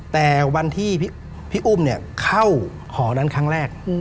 แต่วันที่พี่อุ้มเข้าหอนั้นครั้งแรก